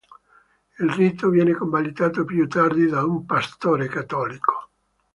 Il rito viene convalidato più tardi da un pastore cattolico.